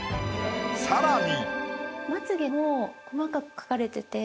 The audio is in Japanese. さらに。